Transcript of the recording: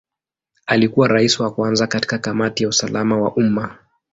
Alikuwa Rais wa kwanza katika Kamati ya usalama wa umma.